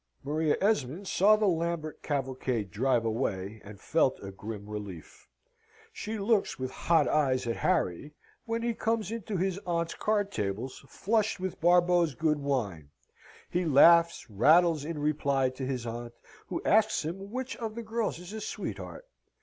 Maria Esmond saw the Lambert cavalcade drive away, and felt a grim relief. She looks with hot eyes at Harry when he comes into his aunt's card tables, flushed with Barbeau's good wine. He laughs, rattles in reply to his aunt, who asks him which of the girls is his sweetheart?